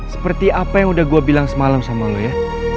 seperti apa yang udah gue bilang semalam sama lo ya